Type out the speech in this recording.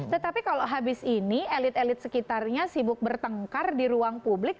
tetapi kalau habis ini elit elit sekitarnya sibuk bertengkar di ruang publik